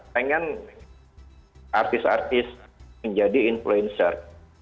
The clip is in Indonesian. pengen artis artis menjadi influencer